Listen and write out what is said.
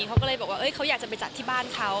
เขาก็เลยบอกว่าเขาอยากจะไปจัดที่บ้านเขา